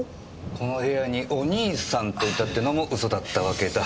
この部屋にお兄さんといたっていうのも嘘だったわけだ。